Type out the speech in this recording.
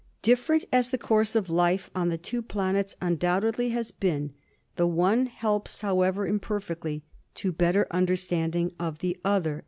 Different as the course of life on the two planets undoubtedly has been, the one helps, however imperfectly, to better understanding of the other."